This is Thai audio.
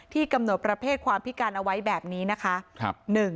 กำหนดประเภทความพิการเอาไว้แบบนี้นะคะ